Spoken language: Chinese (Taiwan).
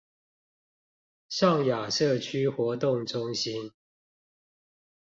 上雅社區活動中心